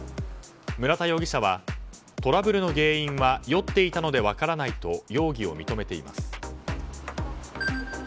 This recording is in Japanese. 村田容疑者はトラブルの原因は酔っていたので分からないと容疑を認めています。